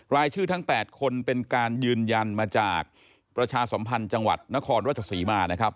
รายชื่อทั้ง๘คนเป็นการยืนยันมาจากประชาสมพันธ์จังหวัดนครราชศรีมานะครับ